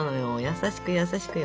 優しく優しくよ。